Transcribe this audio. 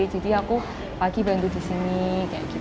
jadi aku lagi bantu di sini